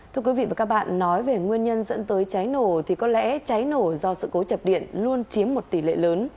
thưa quý vị và các bạn nói về nguyên nhân dẫn tới cháy nổ thì có lẽ cháy nổ do sự cố chập điện luôn chiếm một tỷ lệ lớn